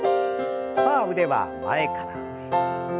さあ腕は前から上へ。